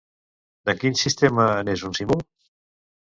De quin sistema n'és un símbol?